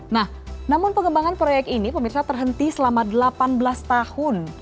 nah namun pengembangan proyek ini pemirsa terhenti selama delapan belas tahun